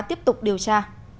tiếp tục điều tra